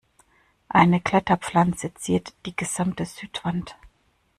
Eine Kletterpflanze ziert die gesamte Südwand.